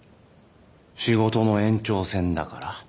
仕事の延長線だから？